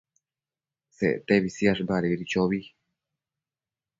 Sectebi siash badedi chobi